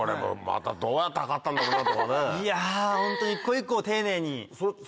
いやホント一個一個丁寧に。